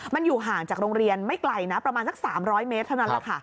มันอยู่ห่างจากโรงเรียนไม่ไกลนะประมาณสัก๓๐๐เมตรเท่านั้นแหละค่ะ